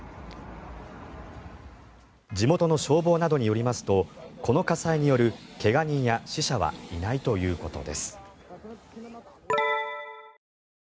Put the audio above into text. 地元の消防などによりますとこの火災による怪我人や死者はいないということです。